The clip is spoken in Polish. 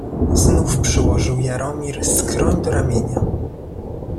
"Znów przyłożył Jaromir skroń do ramienia."